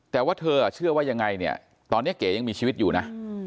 แต่ว่าเธอเชื่อว่ายังไงเนี่ยตอนนี้เก๋ยังมีชีวิตอยู่นะ